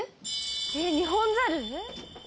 えっニホンザル？